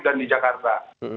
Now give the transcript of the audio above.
dan di jakarta